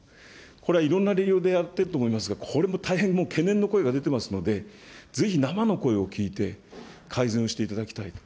これはいろんな理由でやっていると思いますが、これも大変懸念の声が出てますので、ぜひ生の声を聞いて改善をしていただきたいと。